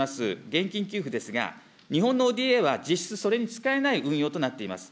現金給付ですが、日本のＯＤＡは実質、それに使えない運用となっています。